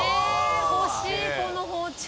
欲しいこの包丁。